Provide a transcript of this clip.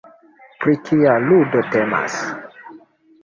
Pri kia ludo temas?